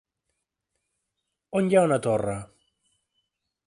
On hi ha una torre?